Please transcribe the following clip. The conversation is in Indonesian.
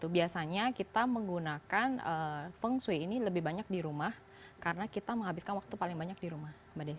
biasanya kita menggunakan feng shui ini lebih banyak di rumah karena kita menghabiskan waktu paling banyak di rumah mbak desi